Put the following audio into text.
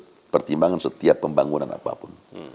untuk menjadi pertimbangan setiap pembangunan apapun